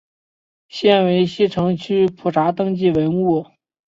现为西城区普查登记文物。